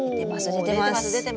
出てます。